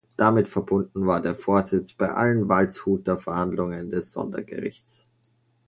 Damit verbunden war der Vorsitz bei allen Waldshuter Verhandlungen des Sondergerichts.